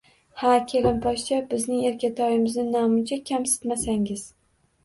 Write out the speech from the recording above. Ha, kelinposhsha, bizning erkatoyimizni namuncha kamsitmasangiz